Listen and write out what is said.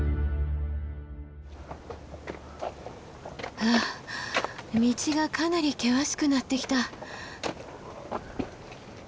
ふう道がかなり険しくなってきた。